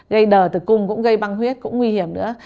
gây đờ tử cung cũng gây băng huyết cũng nguy hiểm nữa